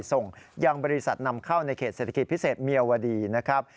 ส่งยังบริษัทนำเข้าในเขตเศรษฐกิจพิเศษเมียวดีนะครับ